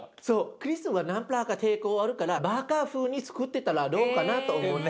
クリスはナンプラーが抵抗あるからバーガー風につくってたらどうかなと思って。